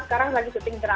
sekarang lagi shooting drama